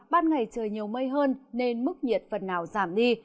ban ngày trời nhiều mây hơn nên mức nhiệt phần nào giảm đi